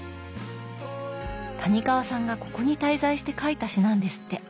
谷川さんがここに滞在して書いた詩なんですって。